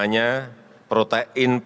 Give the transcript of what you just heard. saya sudah cukup baldak